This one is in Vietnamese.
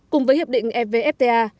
cùng với hiệp định evfta